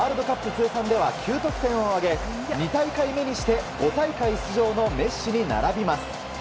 通算では９得点を挙げ２大会目にして５大会出場のメッシに並びます。